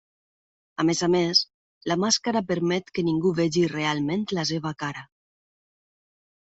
A més a més, la màscara permet que ningú vegi realment la seva cara.